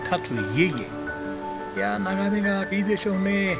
いやあ眺めがいいでしょうね。